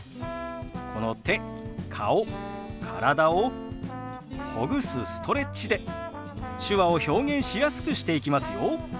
この手顔体をほぐすストレッチで手話を表現しやすくしていきますよ。